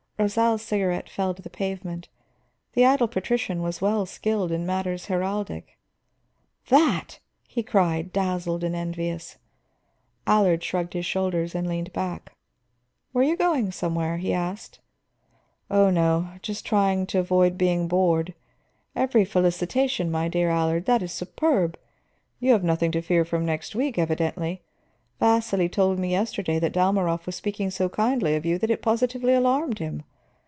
Rosal's cigarette fell to the pavement; the idle patrician was well skilled in matters heraldic. "That!" he cried, dazzled and envious. Allard shrugged his shoulders and leaned back. "Were you going somewhere?" he asked. "Oh, no; just trying to avoid being bored. Every felicitation, my dear Allard; that is superb. You have nothing to fear from next week, evidently. Vasili told me yesterday that Dalmorov was speaking so kindly of you that it positively alarmed him.